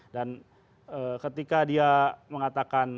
dan ketika dia mengatakan